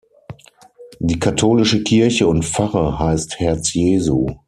Die katholische Kirche und Pfarre heißt „Herz Jesu“.